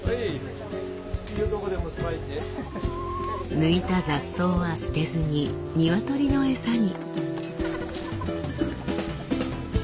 抜いた雑草は捨てずに鶏の餌に。